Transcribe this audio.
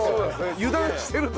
油断してると。